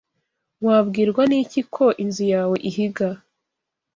Wabwirwa n'iki ko inzu yawe ihiga?